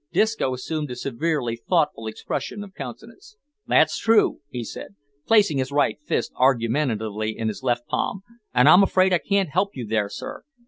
Disco assumed a severely thoughtful expression of countenance. "That's true," he said, placing his right fist argumentatively in his left palm, "and I'm afeard I can't help you there, sir.